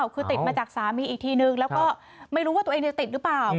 คือติดมาจากสามีอีกทีนึงแล้วก็ไม่รู้ว่าตัวเองจะติดหรือเปล่า